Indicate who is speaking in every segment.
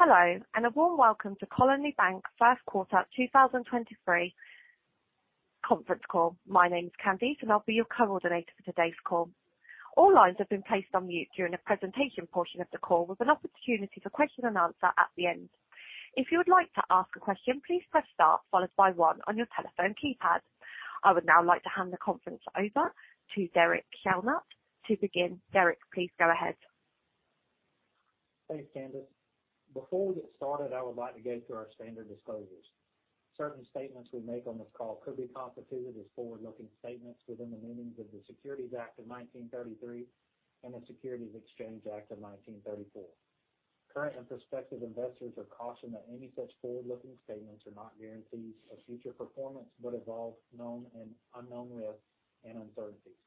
Speaker 1: Hello, and a warm welcome to Colony Bank first quarter 2023 conference call. My name is Candice, and I'll be your coordinator for today's call. All lines have been placed on mute during the presentation portion of the call with an opportunity for question and answer at the end. If you would like to ask a question, please press star followed by one on your telephone keypad. I would now like to hand the conference over to Derek Shelnutt to begin. Derek, please go ahead.
Speaker 2: Thanks, Candice. Before we get started, I would like to go through our standard disclosures. Certain statements we make on this call could be constituted as forward-looking statements within the meanings of the Securities Act of 1933 and the Securities Exchange Act of 1934. Current and prospective investors are cautioned that any such forward-looking statements are not guarantees of future performance, but involve known and unknown risks and uncertainties.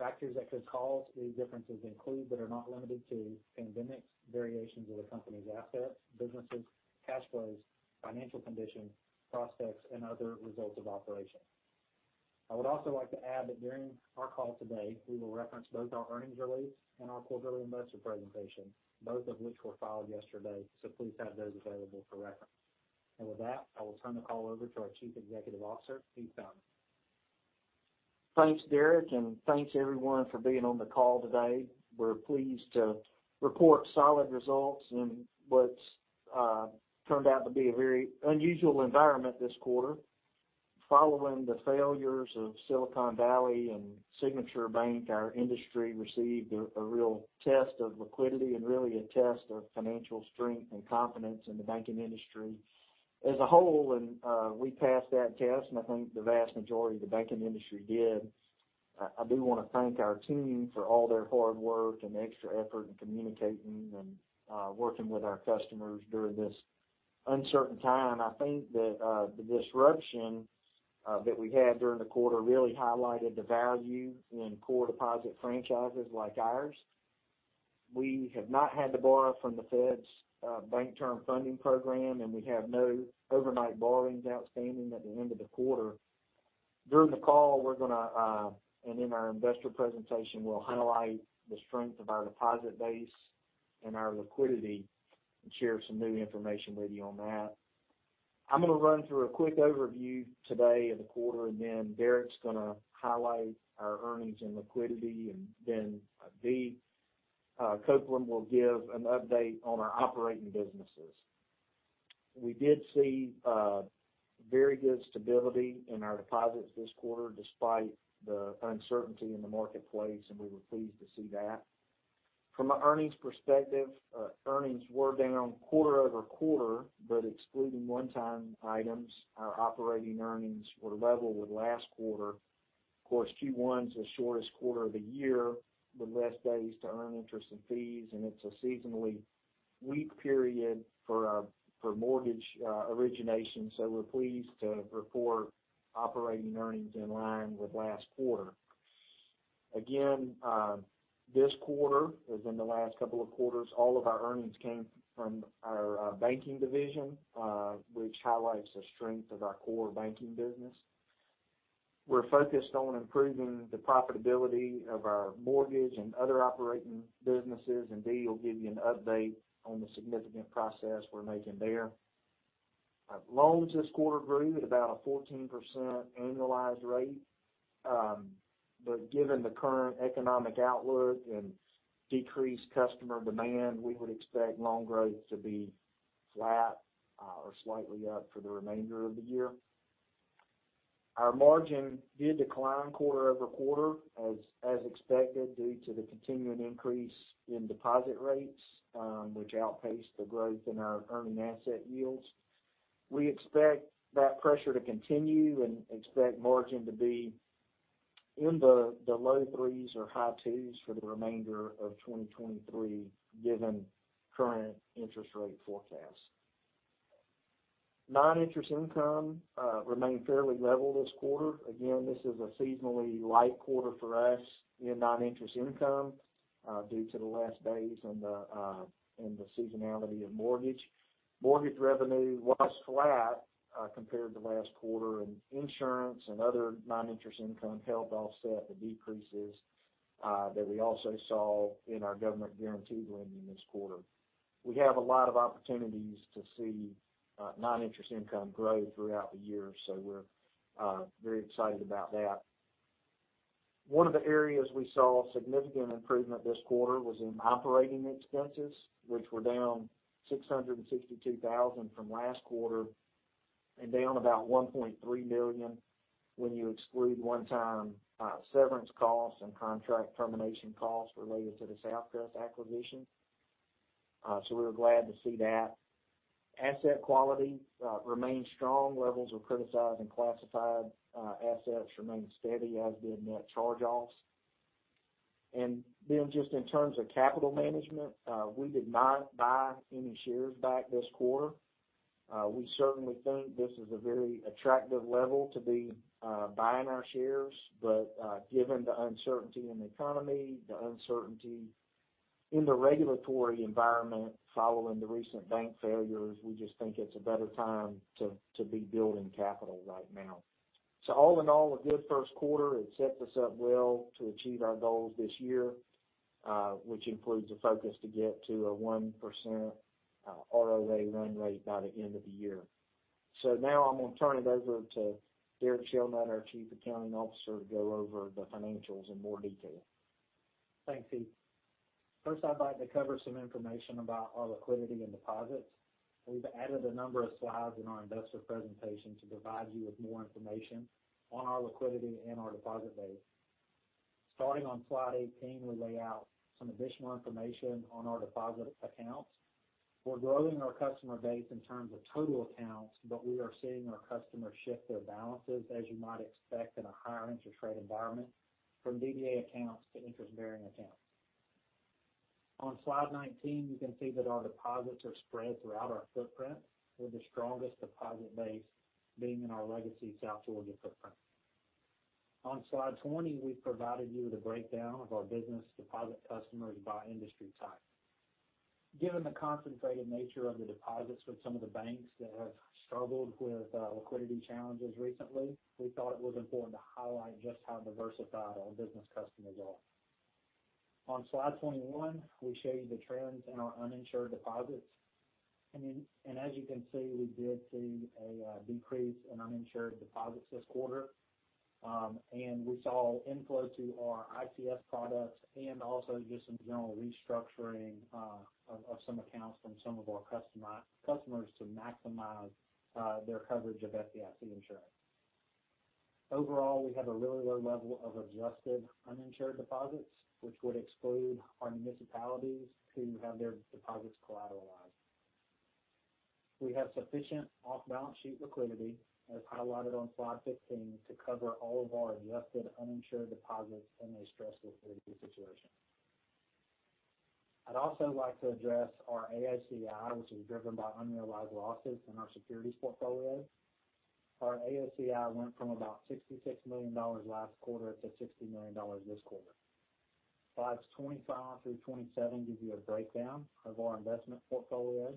Speaker 2: Factors that could cause these differences include, but are not limited to pandemics, variations of the company's assets, businesses, cash flows, financial condition, prospects, and other results of operation. I would also like to add that during our call today, we will reference both our earnings release and our quarterly investor presentation, both of which were filed yesterday, so please have those available for reference. With that, I will turn the call over to our Chief Executive Officer, Heath Fountain.
Speaker 3: Thanks, Derek, and thanks everyone for being on the call today. We're pleased to report solid results in what's turned out to be a very unusual environment this quarter. Following the failures of Silicon Valley and Signature Bank, our industry received a real test of liquidity and really a test of financial strength and confidence in the banking industry as a whole. We passed that test, and I think the vast majority of the banking industry did. I do wanna thank our team for all their hard work and extra effort in communicating and working with our customers during this uncertain time. I think that the disruption that we had during the quarter really highlighted the value in core deposit franchises like ours. We have not had to borrow from the Fed's Bank Term Funding Program, and we have no overnight borrowings outstanding at the end of the quarter. During the call, we're gonna and in our investor presentation, we'll highlight the strength of our deposit base and our liquidity and share some new information with you on that. I'm gonna run through a quick overview today of the quarter, and then Derek's gonna highlight our earnings and liquidity, and then D Copeland will give an update on our operating businesses. We did see very good stability in our deposits this quarter despite the uncertainty in the marketplace, and we were pleased to see that. From an earnings perspective, earnings were down quarter over quarter, but excluding one-time items, our operating earnings were level with last quarter. Q1 is the shortest quarter of the year with less days to earn interest and fees, and it's a seasonally weak period for mortgage origination. We're pleased to report operating earnings in line with last quarter. This quarter, as in the last couple of quarters, all of our earnings came from our banking division, which highlights the strength of our core banking business. We're focused on improving the profitability of our mortgage and other operating businesses, D will give you an update on the significant progress we're making there. Loans this quarter grew at about a 14% annualized rate. Given the current economic outlook and decreased customer demand, we would expect loan growth to be flat or slightly up for the remainder of the year. Our margin did decline quarter-over-quarter as expected, due to the continuing increase in deposit rates, which outpaced the growth in our earning asset yields. We expect that pressure to continue and expect margin to be in the low threes or high twos for the remainder of 2023, given current interest rate forecasts. Non-interest income remained fairly level this quarter. Again, this is a seasonally light quarter for us in non-interest income, due to the less days and the seasonality of mortgage. Mortgage revenue was flat compared to last quarter, and insurance and other non-interest income helped offset the decreases that we also saw in our government guaranteed lending this quarter. We have a lot of opportunities to see non-interest income grow throughout the year, so we're very excited about that. One of the areas we saw significant improvement this quarter was in operating expenses, which were down $662,000 from last quarter and down about $1.3 million when you exclude one-time severance costs and contract termination costs related to the SouthCrest acquisition. We were glad to see that. Asset quality remained strong. Levels of criticized and classified assets remained steady, as did net charge-offs. Just in terms of capital management, we did not buy any shares back this quarter. We certainly think this is a very attractive level to be buying our shares. Given the uncertainty in the economy, the uncertainty in the regulatory environment following the recent bank failures, we just think it's a better time to be building capital right now. All in all, a good first quarter. It set us up well to achieve our goals this year, which includes a focus to get to a 1% ROA run rate by the end of the year. Now I'm gonna turn it over to Derek Shelnutt, our Chief Accounting Officer, to go over the financials in more detail.
Speaker 2: Thanks, Heath. First, I'd like to cover some information about our liquidity and deposits. We've added a number of slides in our investor presentation to provide you with more information on our liquidity and our deposit base. Starting on slide 18, we lay out some additional information on our deposit accounts. We're growing our customer base in terms of total accounts, we are seeing our customers shift their balances, as you might expect in a higher interest rate environment, from DDA accounts to interest-bearing accounts. On slide 19, you can see that our deposits are spread throughout our footprint, with the strongest deposit base being in our legacy South Georgia footprint. On slide 20, we've provided you with a breakdown of our business deposit customers by industry type. Given the concentrated nature of the deposits with some of the banks that have struggled with liquidity challenges recently, we thought it was important to highlight just how diversified our business customers are. On slide 21, we show you the trends in our uninsured deposits. As you can see, we did see a decrease in uninsured deposits this quarter. We saw inflow to our ICS products and also just some general restructuring of some accounts from some of our customers to maximize their coverage of FDIC insurance. Overall, we have a really low level of adjusted uninsured deposits, which would exclude our municipalities who have their deposits collateralized. We have sufficient off-balance sheet liquidity, as highlighted on slide 15, to cover all of our adjusted uninsured deposits in a stressful liquidity situation. I'd also like to address our AOCI, which is driven by unrealized losses in our securities portfolio. Our AOCI went from about $66 million last quarter to $60 million this quarter. Slides 25 through 27 give you a breakdown of our investment portfolio.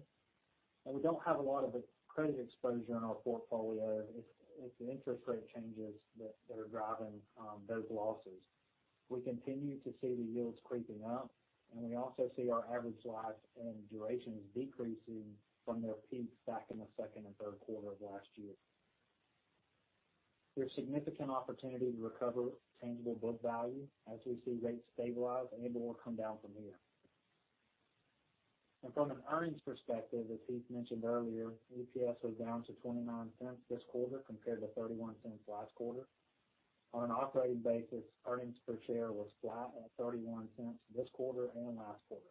Speaker 2: We don't have a lot of credit exposure in our portfolio. It's the interest rate changes that are driving those losses. We continue to see the yields creeping up. We also see our average life and durations decreasing from their peaks back in the second and third quarter of last year. There's significant opportunity to recover tangible book value as we see rates stabilize and/or come down from here. From an earnings perspective, as Heath mentioned earlier, EPS was down to $0.29 this quarter compared to $0.31 last quarter. On an operating basis, earnings per share was flat at $0.31 this quarter and last quarter.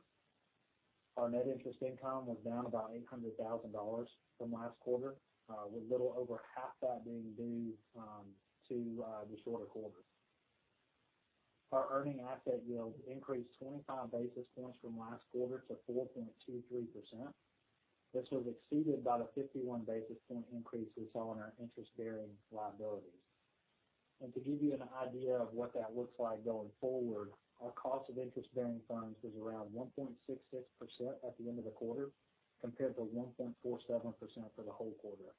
Speaker 2: Our net interest income was down about $800,000 from last quarter, with little over half that being due to the shorter quarter. Our earning asset yield increased 25 basis points from last quarter to 4.23%. This was exceeded by the 51 basis point increase we saw in our interest-bearing liabilities. To give you an idea of what that looks like going forward, our cost of interest-bearing funds was around 1.66% at the end of the quarter compared to 1.47% for the whole quarter.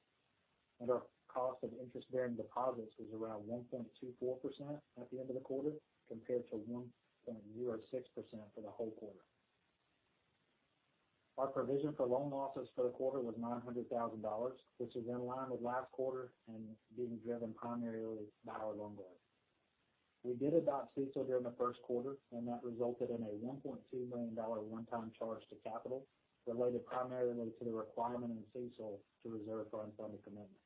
Speaker 2: Our cost of interest-bearing deposits was around 1.24% at the end of the quarter compared to 1.06% for the whole quarter. Our provision for loan losses for the quarter was $900,000, which is in line with last quarter and being driven primarily by our loan growth. We did adopt CECL during the first quarter, that resulted in a $1.2 million one-time charge to capital related primarily to the requirement in CECL to reserve for unfunded commitments.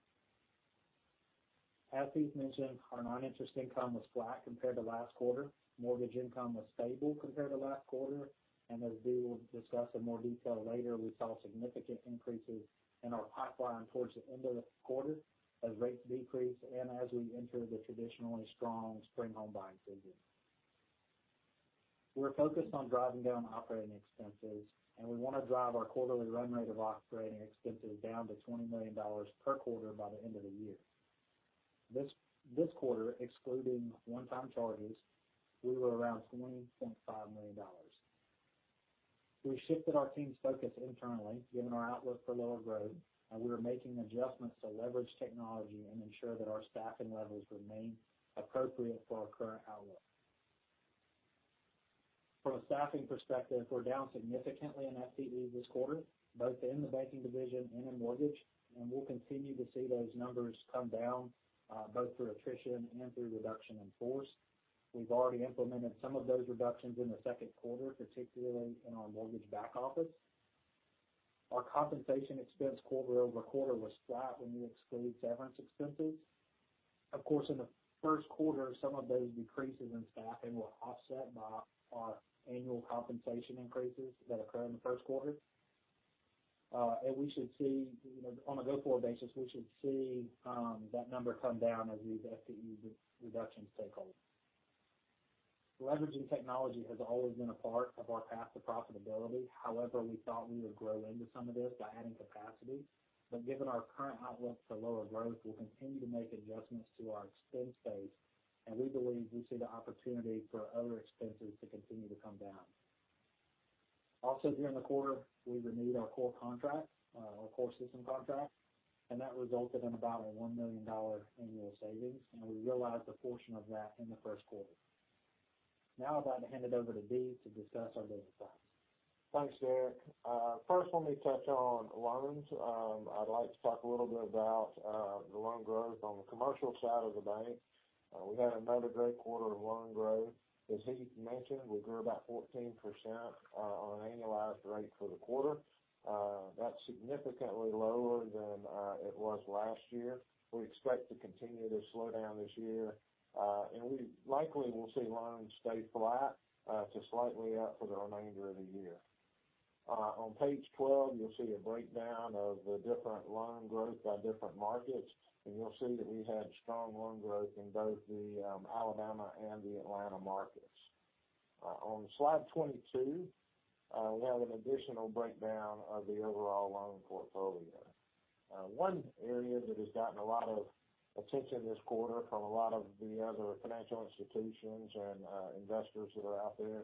Speaker 2: As Heath mentioned, our non-interest income was flat compared to last quarter. Mortgage income was stable compared to last quarter. As Dee will discuss in more detail later, we saw significant increases in our pipeline towards the end of the quarter as rates decreased and as we entered the traditionally strong spring home buying season. We're focused on driving down operating expenses, we want to drive our quarterly run rate of operating expenses down to $20 million per quarter by the end of the year. This quarter, excluding one-time charges, we were around $20.5 million. We shifted our team's focus internally, given our outlook for lower growth, we are making adjustments to leverage technology and ensure that our staffing levels remain appropriate for our current outlook. From a staffing perspective, we're down significantly in FTE this quarter, both in the banking division and in mortgage, we'll continue to see those numbers come down, both through attrition and through reduction in force. We've already implemented some of those reductions in the second quarter, particularly in our mortgage back office. Our compensation expense quarter-over-quarter was flat when you exclude severance expenses. Of course, in the first quarter, some of those decreases in staffing were offset by our annual compensation increases that occur in the first quarter. We should see, you know, on a go-forward basis, we should see that number come down as these FTE reductions take hold. Leveraging technology has always been a part of our path to profitability. We thought we would grow into some of this by adding capacity. Given our current outlook for lower growth, we'll continue to make adjustments to our expense base, and we believe we see the opportunity for other expenses to continue to come down. Also during the quarter, we renewed our core contract, our core system contract, and that resulted in about a $1 million annual savings, and we realized a portion of that in the first quarter. I'd like to hand it over to D to discuss our business stats.
Speaker 4: Thanks, Derek. First, let me touch on loans. I'd like to talk a little bit about the loan growth on the commercial side of the bank. We had another great quarter of loan growth. As he mentioned, we grew about 14% on an annualized rate for the quarter. That's significantly lower than it was last year. We expect to continue to slow down this year. We likely will see loans stay flat to slightly up for the remainder of the year. On page 12, you'll see a breakdown of the different loan growth by different markets. You'll see that we had strong loan growth in both the Alabama and the Atlanta markets. On slide 22, we have an additional breakdown of the overall loan portfolio. One area that has gotten a lot of attention this quarter from a lot of the other financial institutions and investors that are out there,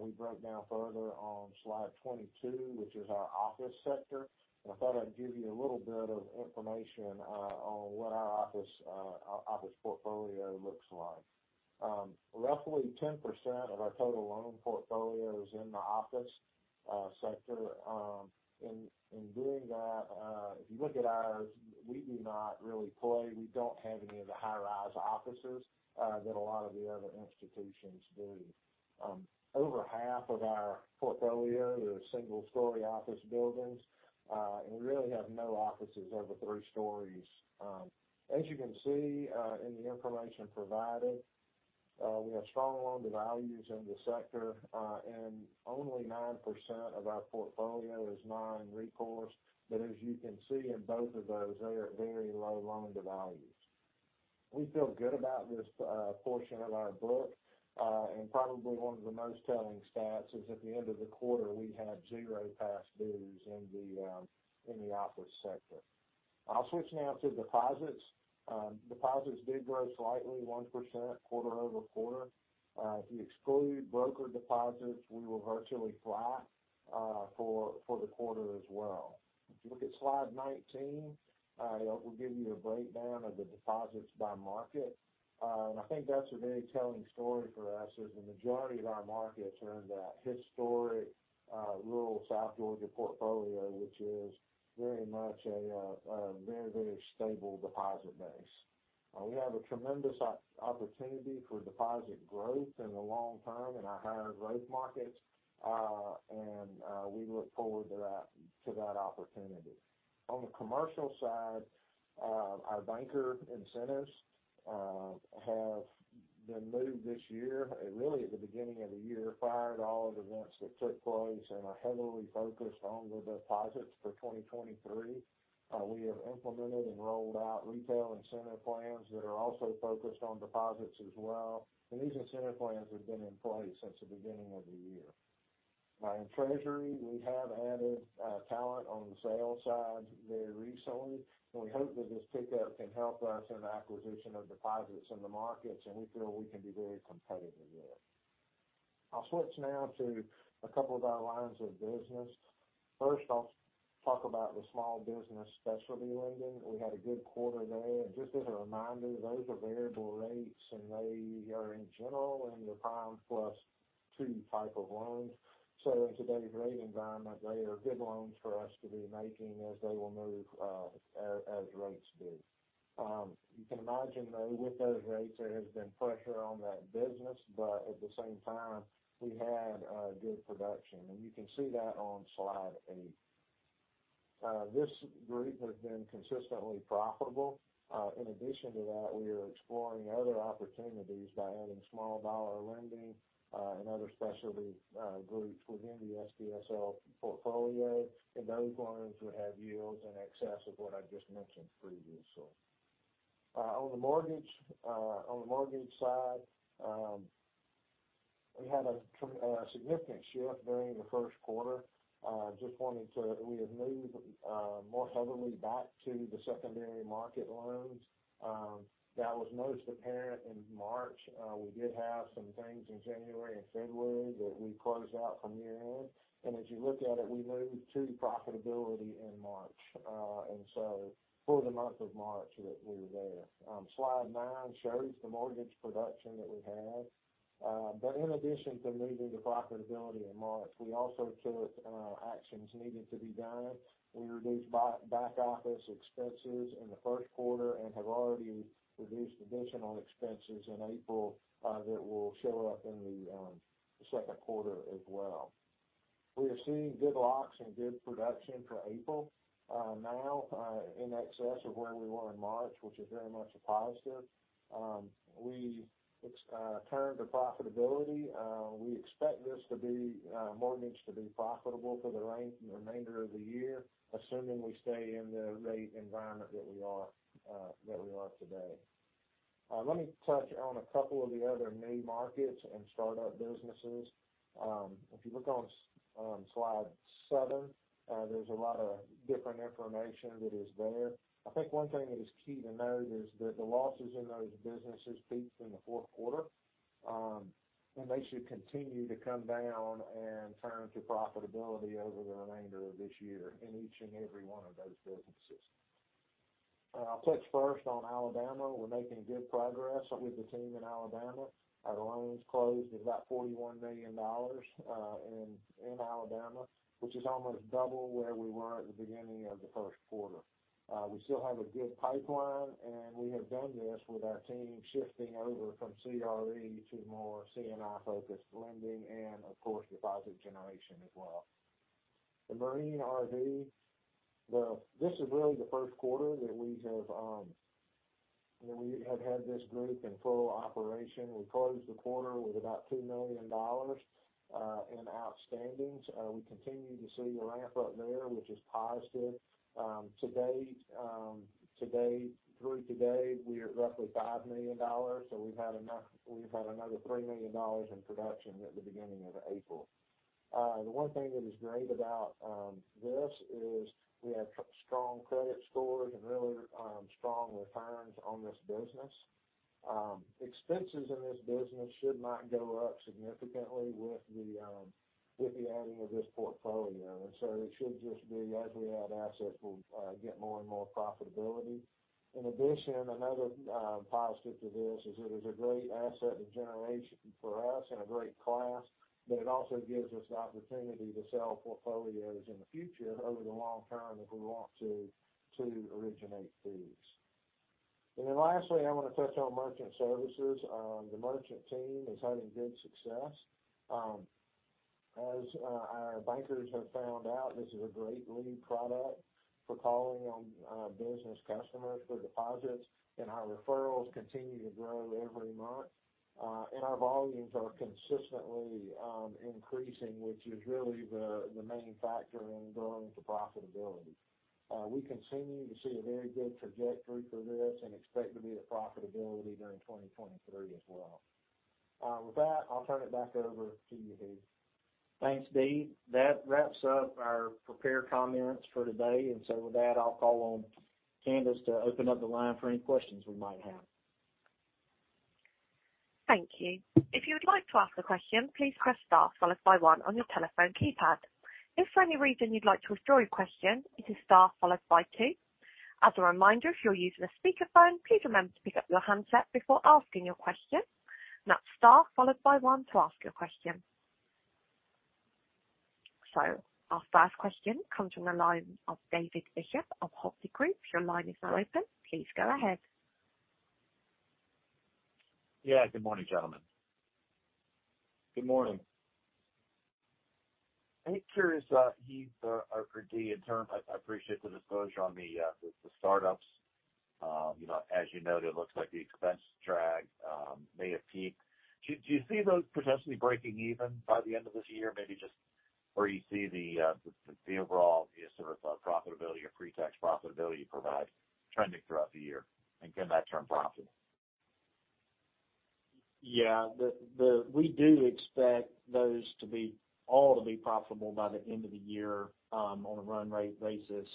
Speaker 4: we broke down further on slide 22, which is our office sector. I thought I'd give you a little bit of information on what our office portfolio looks like. Roughly 10% of our total loan portfolio is in the office sector. In doing that, if you look at ours, we do not really play. We don't have any of the high-rise offices that a lot of the other institutions do. Over half of our portfolio are single-story office buildings, and we really have no offices over three stories. As you can see, in the information provided, we have strong loan-to-values in the sector, and only 9% of our portfolio is non-recourse. As you can see in both of those, they are very low loan-to-values. We feel good about this portion of our book, and probably one of the most telling stats is at the end of the quarter, we have 0 past dues in the office sector. I'll switch now to deposits. Deposits did grow slightly, 1% quarter-over-quarter. If you exclude broker deposits, we were virtually flat for the quarter as well. If you look at slide 19, it will give you a breakdown of the deposits by market. I think that's a very telling story for us, as the majority of our markets are in that historic, rural South Georgia portfolio, which is very much a very, very stable deposit base. We have a tremendous opportunity for deposit growth in the long term in our higher growth markets, and we look forward to that, to that opportunity. On the commercial side, our banker incentives have been moved this year, really at the beginning of the year, prior to all of the events that took place, and are heavily focused on the deposits for 2023. We have implemented and rolled out retail incentive plans that are also focused on deposits as well, and these incentive plans have been in place since the beginning of the year. In treasury, we have added talent on the sales side very recently, and we hope that this pickup can help us in acquisition of deposits in the markets, and we feel we can be very competitive there. I'll switch now to a couple of our lines of business. First, I'll talk about the Small Business Specialty Lending. We had a good quarter there. Just as a reminder, those are variable rates, and they are in general in the prime plus two type of loans. In today's rate environment, they are good loans for us to be making as they will move as rates do. You can imagine, though, with those rates, there has been pressure on that business, but at the same time, we had good production, and you can see that on slide eight. This group has been consistently profitable. In addition to that, we are exploring other opportunities by adding small dollar lending, and other specialty groups within the SBSL portfolio, and those loans would have yields in excess of what I just mentioned previously. On the mortgage side, we had a significant shift during the first quarter. We have moved more heavily back to the secondary market loans. That was most apparent in March. We did have some things in January and February that we closed out from year-end. As you look at it, we moved to profitability in March. For the month of March that we were there. Slide nine shows the mortgage production that we had. In addition to moving to profitability in March, we also took actions needed to be done. We reduced back office expenses in the first quarter and have already reduced additional expenses in April that will show up in the second quarter as well. We are seeing good locks and good production for April now in excess of where we were in March, which is very much a positive. We turned to profitability. We expect this to be mortgage to be profitable for the remainder of the year, assuming we stay in the rate environment that we are today. Let me touch on a couple of the other new markets and startup businesses. If you look on slide seven, there's a lot of different information that is there. I think one thing that is key to note is that the losses in those businesses peaked in the fourth quarter, and they should continue to come down and turn to profitability over the remainder of this year in each and every one of those businesses. I'll touch first on Alabama. We're making good progress with the team in Alabama. Our loans closed at about $41 million in Alabama, which is almost double where we were at the beginning of the first quarter. We still have a good pipeline, and we have done this with our team shifting over from CRE to more C&I-focused lending and of course, deposit generation as well. The Marine RV, this is really the first quarter that we have, you know, we have had this group in full operation. We closed the quarter with about $2 million in outstandings. We continue to see a ramp up there, which is positive. To date, through to date, we are roughly $5 million. We've had another $3 million in production at the beginning of April. The one thing that is great about this is we have strong credit scores and really strong returns on this business. Expenses in this business should not go up significantly with the adding of this portfolio. It should just be as we add assets, we'll get more and more profitability. In addition, another positive to this is it is a great asset to generation for us and a great class, but it also gives us the opportunity to sell portfolios in the future over the long term if we want to originate fees. Lastly, I want to touch on merchant services. The merchant team is having good success. As our bankers have found out, this is a great lead product for calling on business customers for deposits, and our referrals continue to grow every month. Our volumes are consistently increasing, which is really the main factor in growing the profitability. We continue to see a very good trajectory for this and expect to be at profitability during 2023 as well. With that, I'll turn it back over to you, Heath.
Speaker 3: Thanks, D. That wraps up our prepared comments for today. With that, I'll call on Candice to open up the line for any questions we might have.
Speaker 1: Thank you. If you would like to ask a question, please press star followed by one on your telephone keypad. If for any reason you'd like to withdraw your question, it is star followed by two. As a reminder, if you're using a speakerphone, please remember to pick up your handset before asking your question. That's star followed by one to ask your question. Our first question comes from the line of David Bishop of Hovde Group. Your line is now open. Please go ahead.
Speaker 5: Yeah, good morning, gentlemen.
Speaker 3: Good morning.
Speaker 5: I'm curious, Heath or Dee, in turn, I appreciate the disclosure on the startups. You know, as you noted, it looks like the expense drag may have peaked. Do you see those potentially breaking even by the end of this year? Maybe just where you see the overall sort of profitability or pre-tax profitability provide trending throughout the year and can that turn profitable?
Speaker 3: Yeah. We do expect those to be, all to be profitable by the end of the year on a run rate basis.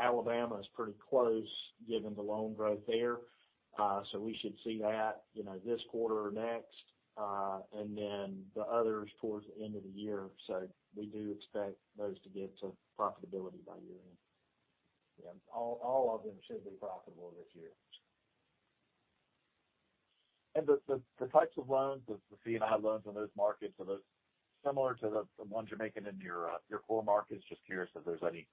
Speaker 3: Alabama is pretty close given the loan growth there. We should see that, you know, this quarter or next, and then the others towards the end of the year. We do expect those to get to profitability by year-end.
Speaker 4: Yeah. All of them should be profitable this year.
Speaker 5: The types of loans, the C&I loans in those markets, are those similar to the ones you're making in your core markets? Just curious if there's any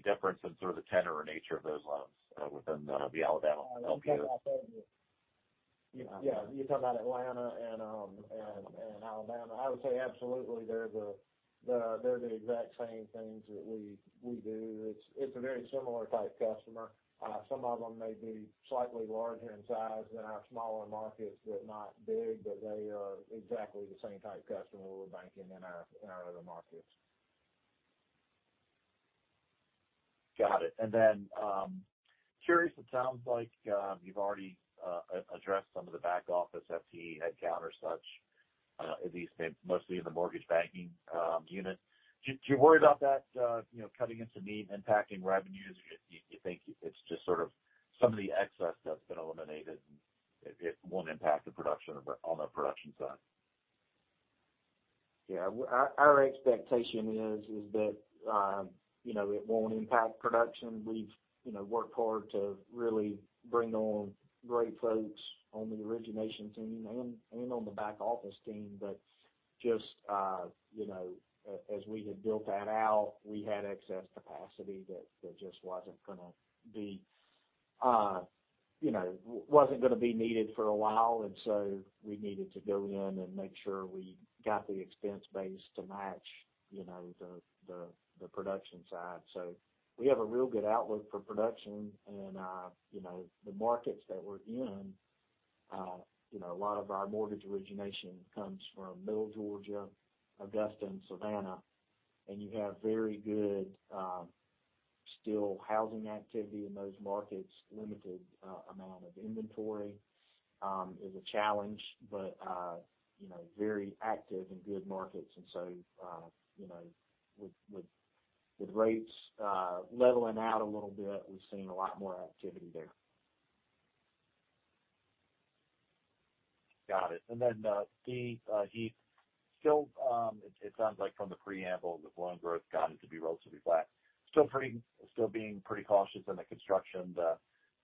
Speaker 5: difference in sort of the tenor or nature of those loans, within the Alabama and FPLG.
Speaker 4: Yeah. You're talking about Atlanta and Alabama. I would say absolutely. They're the exact same things that we do. It's a very similar type customer. Some of them may be slightly larger in size than our smaller markets, but not big. They are exactly the same type customer we're banking in our other markets.
Speaker 5: Got it. Curious, it sounds like you've already addressed some of the back office FTE headcount or such, at least mostly in the mortgage banking unit. Do you worry about that, you know, cutting into need, impacting revenues? You think it's just sort of some of the excess that's been eliminated, it won't impact the production on the production side?
Speaker 3: Our expectation is that, you know, it won't impact production. We've, you know, worked hard to really bring on great folks on the origination team and on the back office team. Just, you know, as we had built that out, we had excess capacity that wasn't gonna be, you know, wasn't gonna be needed for a while. We needed to go in and make sure we got the expense base to match, you know, the production side. We have a real good outlook for production and, you know, the markets that we're in, you know, a lot of our mortgage origination comes from Middle Georgia, Augusta, and Savannah. You have very good, still housing activity in those markets. Limited amount of inventory is a challenge, but, you know, very active and good markets. You know, with rates, leveling out a little bit, we've seen a lot more activity there.
Speaker 5: Got it. Then, Heath, you still, it sounds like from the preamble, the loan growth guidance would be relatively flat. Still being pretty cautious in the construction, the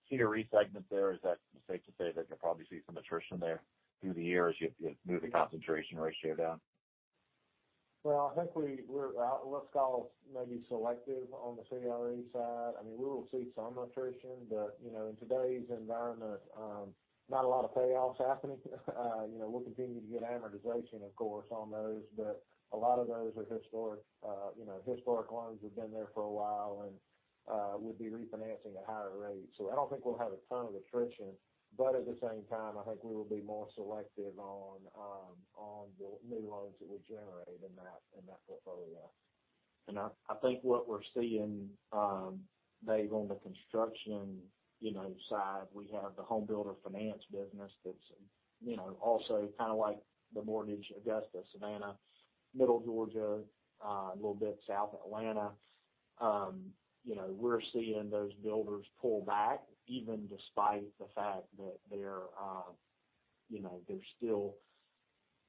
Speaker 5: CRE segment there. Is that safe to say that could probably see some attrition there through the year as you move the concentration ratio down?
Speaker 4: Well, I think we're, let's call maybe selective on the CRE side. I mean, we will see some attrition, but, you know, in today's environment, not a lot of payoffs happening. You know, we'll continue to get amortization, of course, on those. A lot of those are historic. You know, historic loans have been there for a while, we'd be refinancing at higher rates. I don't think we'll have a ton of attrition, but at the same time, I think we will be more selective on the new loans that we generate in that portfolio.
Speaker 3: I think what we're seeing, Dave, on the construction, you know, side, we have the home builder finance business that's, you know, also kind of like the mortgage, Augusta, Savannah, middle Georgia, a little bit south Atlanta. You know, we're seeing those builders pull back, even despite the fact that they're, you know, they're still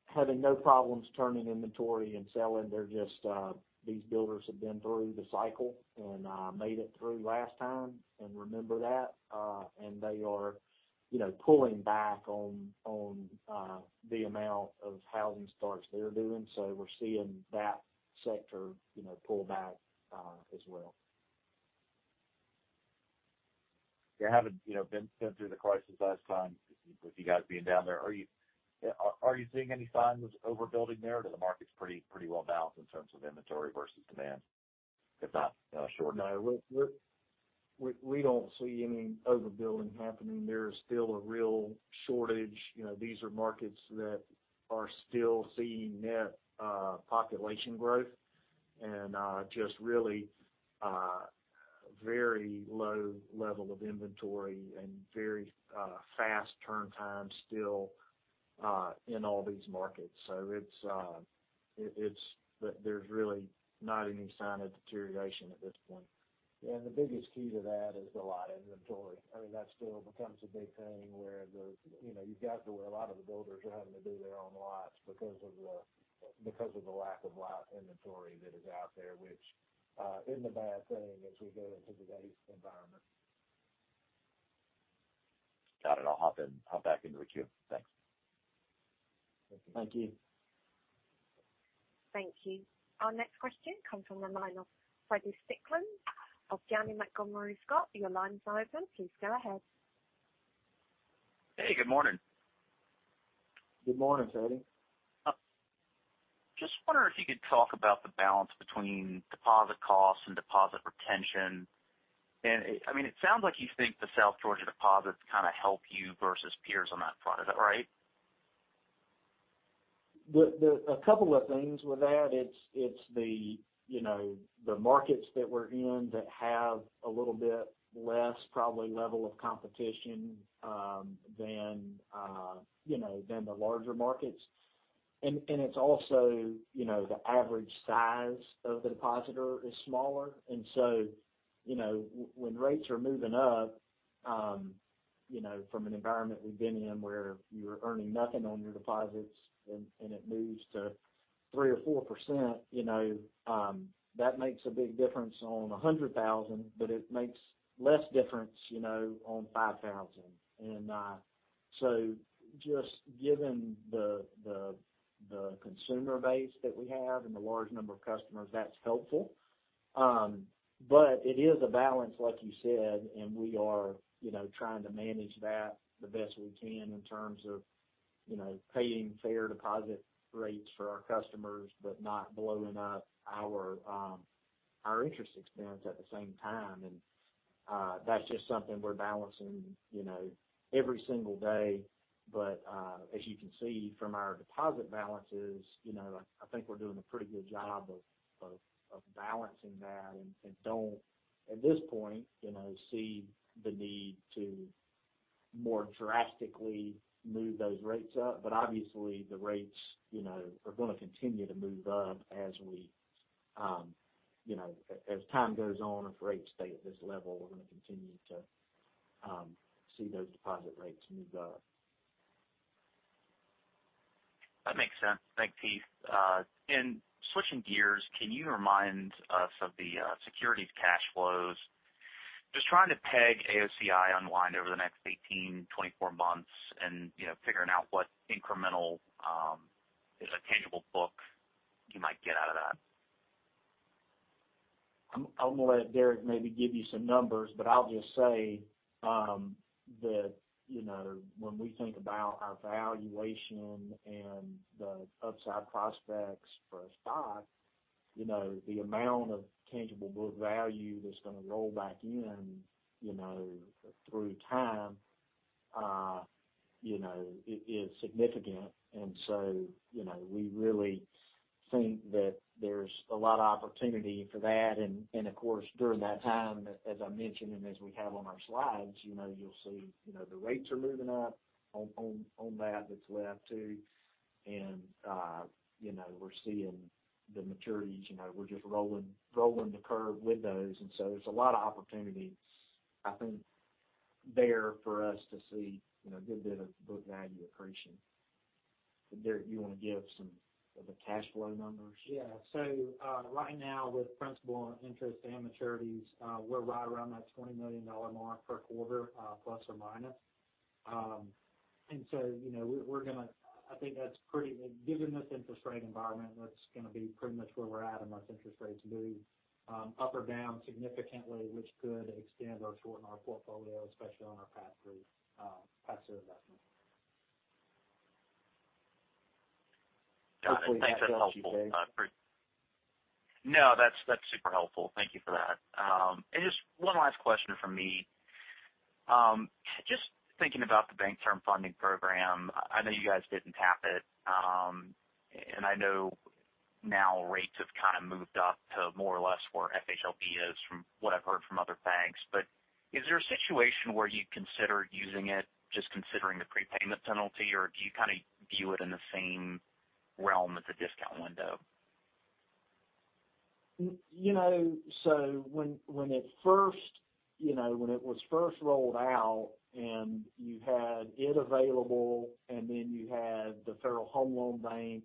Speaker 3: having no problems turning inventory and selling. They're just, these builders have been through the cycle and made it through last time and remember that, and they are, you know, pulling back on the amount of housing starts they're doing. We're seeing that sector, you know, pull back, as well.
Speaker 5: You haven't, you know, been through the crisis last time with you guys being down there. Are you seeing any signs of overbuilding there or are the markets pretty well balanced in terms of inventory versus demand? If not, sure.
Speaker 3: No, we don't see any overbuilding happening. There is still a real shortage. You know, these are markets that are still seeing net population growth and just really very low level of inventory and very fast turn times still in all these markets. It's there's really not any sign of deterioration at this point.
Speaker 4: Yeah, the biggest key to that is the lot inventory. I mean, that still becomes a big thing where the, you know, you've got to where a lot of the builders are having to do their own lots because of the lack of lot inventory that is out there, which isn't a bad thing as we go into today's environment.
Speaker 5: Got it. I'll hop in, hop back into the queue. Thanks.
Speaker 3: Thank you.
Speaker 4: Thank you.
Speaker 1: Thank you. Our next question comes from the line of Feddie Strickland of Janney Montgomery Scott. Your line is open. Please go ahead.
Speaker 6: Hey, good morning.
Speaker 4: Good morning, Freddy.
Speaker 6: Just wondering if you could talk about the balance between deposit costs and deposit retention. I mean, it sounds like you think the South Georgia deposits kind of help you versus peers on that front. Is that right?
Speaker 3: A couple of things with that. It's the, you know, the markets that we're in that have a little bit less probably level of competition than, you know, than the larger markets. It's also, you know, the average size of the depositor is smaller. So, you know, when rates are moving up, you know, from an environment we've been in where you're earning nothing on your deposits and it moves to 3% or 4%, you know, that makes a big difference on $100,000, but it makes less difference, you know, on $5,000. So just given the consumer base that we have and the large number of customers, that's helpful. It is a balance, like you said, and we are, you know, trying to manage that the best we can in terms of, you know, paying fair deposit rates for our customers but not blowing up our interest expense at the same time. That's just something we're balancing, you know, every single day. As you can see from our deposit balances, you know, I think we're doing a pretty good job of balancing that and don't, at this point, you know, see the need to more drastically move those rates up. Obviously, the rates, you know, are gonna continue to move up as we, you know, as time goes on, if rates stay at this level, we're gonna continue to see those deposit rates move up.
Speaker 6: That makes sense. Thanks, Heath. Switching gears, can you remind us of the securities cash flows? Just trying to peg AOCI unwind over the next 18, 24 months and, you know, figuring out what incremental is a tangible book you might get out of that.
Speaker 3: I'm gonna let Derek maybe give you some numbers, but I'll just say that, you know, when we think about our valuation and the upside prospects for our stock, you know, the amount of tangible book value that's gonna roll back in, you know, through time, is significant. We really think that there's a lot of opportunity for that. Of course, during that time, as I mentioned, and as we have on our slides, you know, you'll see, you know, the rates are moving up on that that's left, too. We're seeing the maturities, you know, we're just rolling the curve with those. There's a lot of opportunity, I think, there for us to see, you know, a good bit of book value accretion. Derek, you want to give some of the cash flow numbers?
Speaker 2: Yeah. Right now with principal and interest and maturities, we're right around that $20 million mark per quarter, plus or minus. You know, Given this interest rate environment, that's gonna be pretty much where we're at unless interest rates move up or down significantly, which could extend or shorten our portfolio, especially on our past due, past due investments.
Speaker 6: Got it. Thanks. That's helpful.
Speaker 2: Hopefully that answers your question.
Speaker 6: No, that's super helpful. Thank you for that. Just one last question from me. Just thinking about the Bank Term Funding Program, I know you guys didn't tap it, and I know now rates have kind of moved up to more or less where FHLB is from what I've heard from other banks. Is there a situation where you'd consider using it just considering the prepayment penalty? Or do you kind of view it in the same realm as a discount window?
Speaker 3: When it first, you know, when it was first rolled out, and you had it available, and then you had the Federal Home Loan Bank,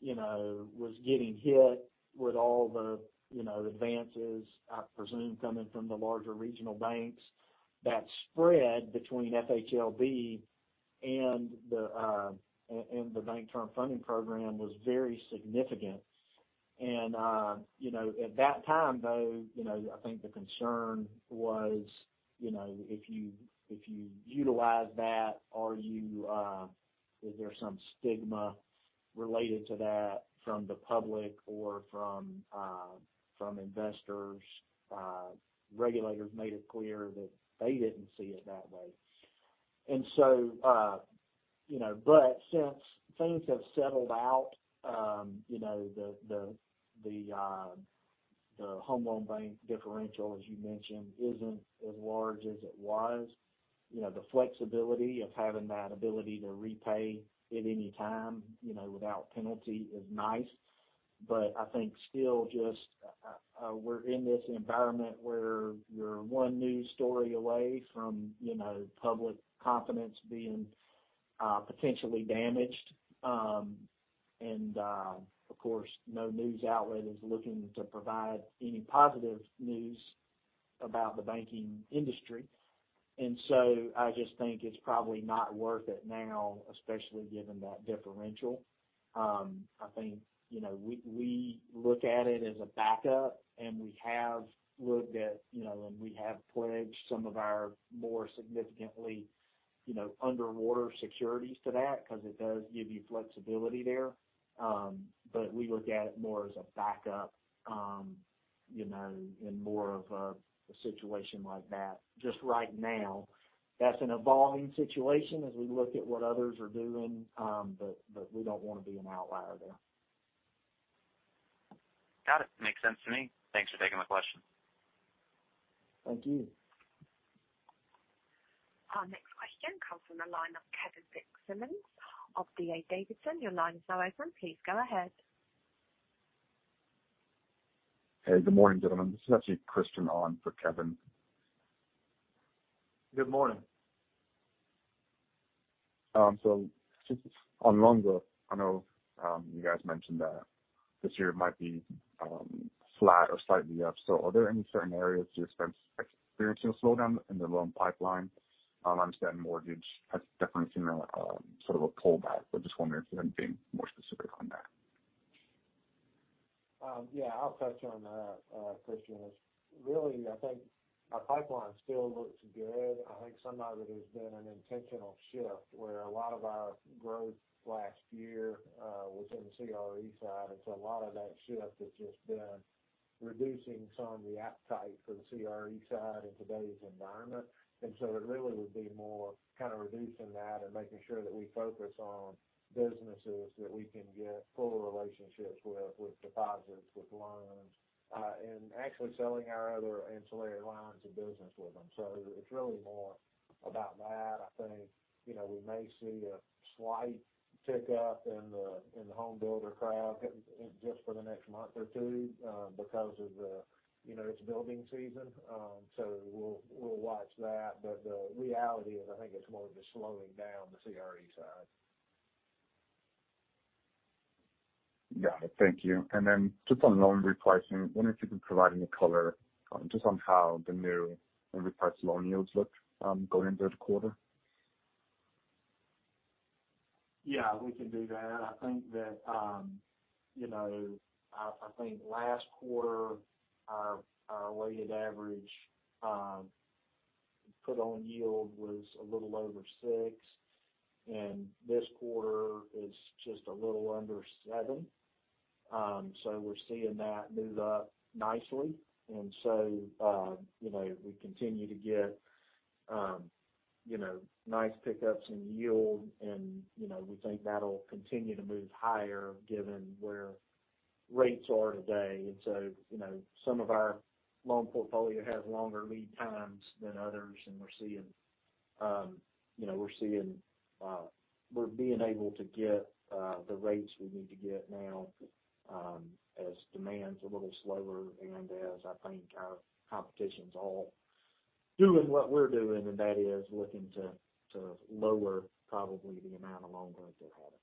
Speaker 3: you know, was getting hit with all the, you know, advances, I presume, coming from the larger regional banks, that spread between FHLB and the Bank Term Funding Program was very significant. At that time, though, you know, I think the concern was, you know, if you utilize that, are you, is there some stigma related to that from the public or from investors? Regulators made it clear that they didn't see it that way. Since things have settled out, you know, the home loan bank differential, as you mentioned, isn't as large as it was. You know, the flexibility of having that ability to repay at any time, you know, without penalty is nice. I think still just, we're in this environment where you're one news story away from, you know, public confidence being potentially damaged. Of course, no news outlet is looking to provide any positive news about the banking industry. I just think it's probably not worth it now, especially given that differential. I think, you know, we look at it as a backup, and we have looked at, you know, and we have pledged some of our more significantly, you know, underwater securities to that because it does give you flexibility there. We look at it more as a backup, you know, in more of a situation like that just right now. That's an evolving situation as we look at what others are doing. We don't want to be an outlier there.
Speaker 6: Got it. Makes sense to me. Thanks for taking my question.
Speaker 3: Thank you.
Speaker 1: Our next question comes from the line of Kevin Fitzsimmons of D.A. Davidson. Your line is now open. Please go ahead.
Speaker 7: Hey, good morning, gentlemen. This is actually Christian on for Kevin.
Speaker 3: Good morning.
Speaker 7: Just on loan growth, I know, you guys mentioned that this year might be flat or slightly up. Are there any certain areas experiencing a slowdown in the loan pipeline? I understand mortgage has definitely seen a sort of a pullback, but just wondering if you can be more specific on that.
Speaker 3: Yeah, I'll touch on that, Christian. Really, I think our pipeline still looks good. I think some of it has been an intentional shift where a lot of our growth last year was in the CRE side. A lot of that shift has just been reducing some of the appetite for the CRE side in today's environment. It really would be more kind of reducing that and making sure that we focus on businesses that we can get fuller relationships with deposits, with loans, and actually selling our other ancillary lines of business with them. It's really more about that. I think, you know, we may see a slight tick up in the, in the home builder crowd just for the next month or two, because of the, you know, it's building season. We'll, we'll watch that. The reality is, I think it's more of just slowing down the CRE side.
Speaker 7: Got it. Thank you. Just on loan repricing, I wonder if you can provide any color, just on how the new repriced loan yields look, going into the quarter.
Speaker 3: Yeah, we can do that. I think that, I think last quarter our weighted average put on yield was a little over six, and this quarter is just a little under seven. We're seeing that move up nicely. We continue to get nice pickups in yield and we think that'll continue to move higher given where rates are today. Some of our loan portfolio has longer lead times than others, and we're seeing we're being able to get the rates we need to get now as demand's a little slower and as I think our competition's all doing what we're doing, and that is looking to lower probably the amount of loan growth they're having.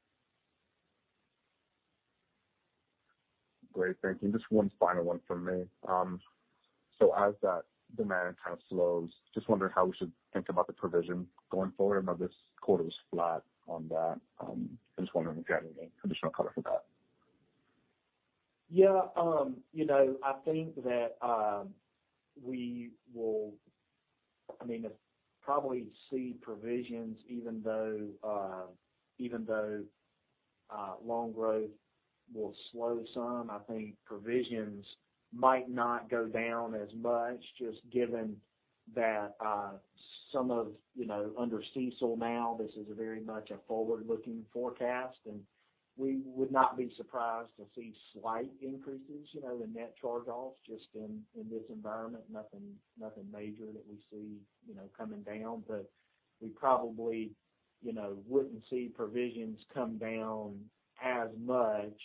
Speaker 7: Great, thank you. Just one final one from me. As that demand kind of slows, just wondering how we should think about the provision going forward. I know this quarter was flat on that. I'm just wondering if you have any additional color for that.
Speaker 3: Yeah, you know, I mean, probably see provisions even though loan growth will slow some. I think provisions might not go down as much just given that some of, you know, under CECL now, this is very much a forward-looking forecast, and we would not be surprised to see slight increases, you know, the net charge-offs just in this environment. Nothing major that we see, you know, coming down. We probably, you know, wouldn't see provisions come down as much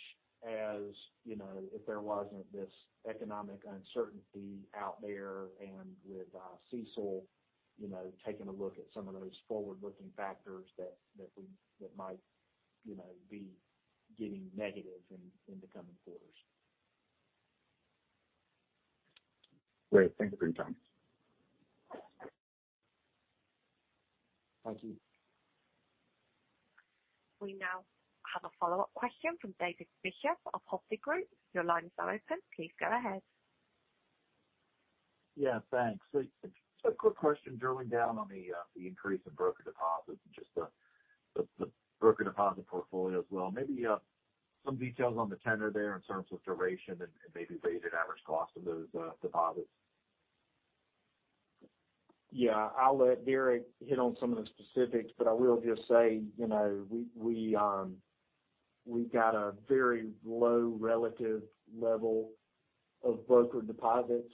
Speaker 3: as, you know, if there wasn't this economic uncertainty out there and with CECL, you know, taking a look at some of those forward-looking factors that we, that might, you know, be getting negative in the coming quarters.
Speaker 7: Great. Thank you for your time.
Speaker 3: Thank you.
Speaker 1: We now have a follow-up question from David Bishop of Hovde Group. Your line is now open. Please go ahead.
Speaker 5: Yeah, thanks. Just a quick question drilling down on the increase in broker deposits and just the broker deposit portfolio as well. Maybe some details on the tender there in terms of duration and maybe weighted average cost of those deposits?
Speaker 3: Yeah. I'll let Derek hit on some of the specifics. I will just say, you know, we've got a very low relative level of broker deposits.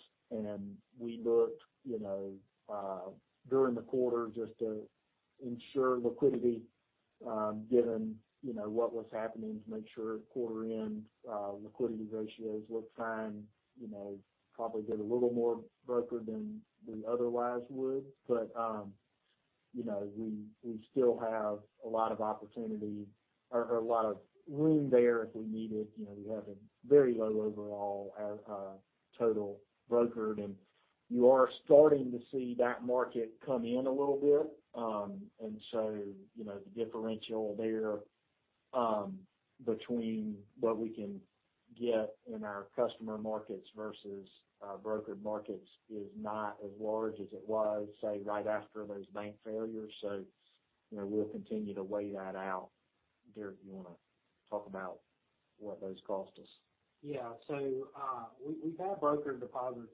Speaker 3: We looked, you know, during the quarter just to ensure liquidity, given, you know, what was happening to make sure quarter end liquidity ratios looked fine. You know, probably did a little more broker than we otherwise would. You know, we still have a lot of opportunity or a lot of room there if we need it. You know, we have a very low overall total brokered, and you are starting to see that market come in a little bit. You know, the differential there, between what we can get in our customer markets versus brokered markets is not as large as it was, say, right after those bank failures. You know, we'll continue to weigh that out. Derek, you wanna talk about what those cost us?
Speaker 2: Yeah. We've had brokered deposits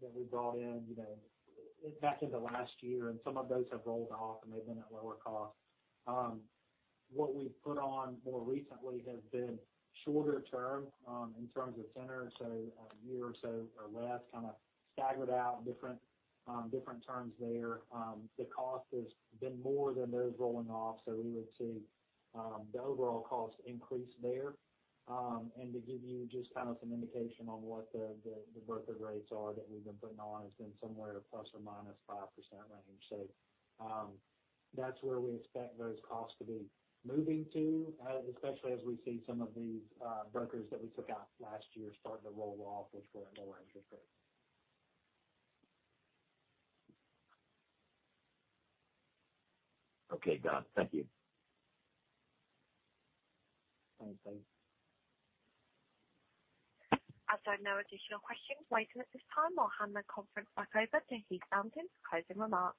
Speaker 2: that we brought in, you know, back into last year, and some of those have rolled off, and they've been at lower cost. What we've put on more recently has been shorter term, in terms of tenor, so a year or so or less, kind of staggered out different terms there. The cost has been more than those rolling off, we would see the overall cost increase there. To give you just kind of some indication on what the brokered rates are that we've been putting on, it's been somewhere ±5% range. That's where we expect those costs to be moving to, especially as we see some of these brokers that we took out last year starting to roll off, which were at lower interest rates.
Speaker 5: Okay. Got it. Thank you.
Speaker 3: Thanks, Dave.
Speaker 1: As there are no additional questions waiting at this time, I'll hand the conference back over to Heath Fountain for closing remarks.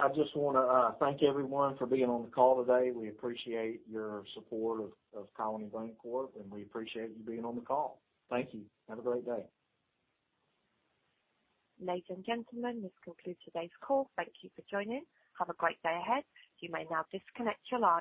Speaker 3: I just wanna thank everyone for being on the call today. We appreciate your support of Colony Bankcorp, Inc., we appreciate you being on the call. Thank you. Have a great day.
Speaker 1: Ladies and gentlemen, this concludes today's call. Thank you for joining. Have a great day ahead. You may now disconnect your line.